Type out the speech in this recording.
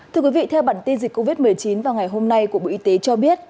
thưa quý vị theo bản tin dịch covid một mươi chín vào ngày hôm nay của bộ y tế cho biết